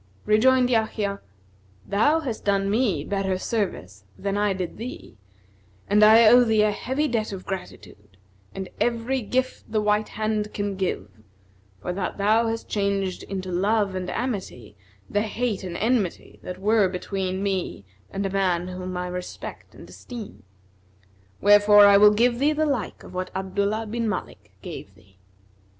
Rejoined Yahya, "Thou hast done me better service than I did thee and I owe thee a heavy debt of gratitude and every gift the white hand[FN#251] can give, for that thou hast changed into love and amity the hate and enmity that were between me and a man whom I respect and esteem. Wherefore I will give thee the like of what Abdullah bin Malik gave thee."